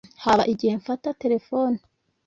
haba igihe mfata telefone